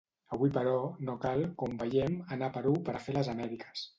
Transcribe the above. Avui però, no cal, com veiem, anar a Perú per a fer les Amèriques.